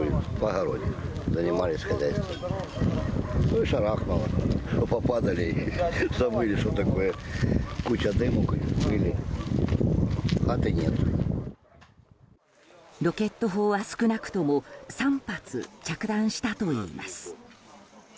ロケット砲は少なくとも３発着弾したといいます。